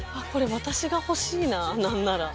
私が欲しいな何なら。